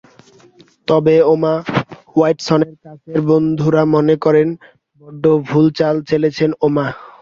তবে এমা ওয়াটসনের কাছের বন্ধুরা মনে করেন, বড্ড ভুল চাল চেলেছেন এমা।